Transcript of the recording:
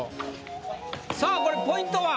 さぁこれポイントは？